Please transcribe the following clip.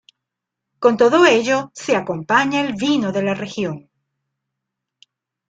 Con todo ello se acompaña el vino de la región.